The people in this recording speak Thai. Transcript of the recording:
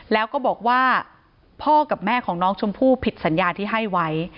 แล้วก็บอกว่าพ่อกับแม่ของน้องชมพู่ผิดสัญญาที่ให้ไว้